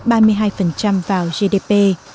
đóng góp ba mươi hai vào gdp